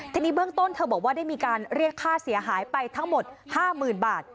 ทีนี้เบื้องต้นเธอบอกว่าได้มีการเรียกค่าเสียหายไปทั้งหมด๕๐๐๐บาท